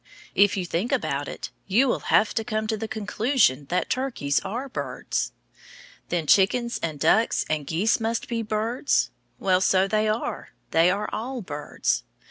If you think about it, you will have to come to the conclusion that turkeys are birds. Then chickens and ducks and geese must be birds? Well, so they are. They are all birds.